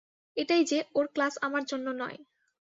এটাই যে, ওর ক্লাস আমার জন্য নয়।